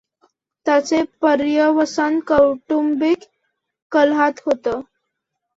त्याचे पर्यवसान कौटुंबिक कलहात होतंं.